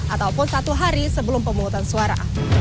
ataupun satu hari sebelum pemungutan suara